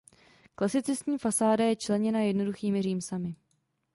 Klasicistní fasáda je členěna jednoduchými římsami.